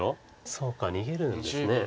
そうか逃げるんですね。